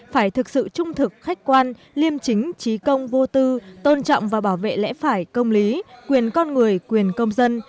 phải thực sự trung thực khách quan liêm chính trí công vô tư tôn trọng và bảo vệ lẽ phải công lý quyền con người quyền công dân